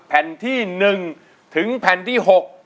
แผ่นที่หนึ่งถึงแผ่นที่หก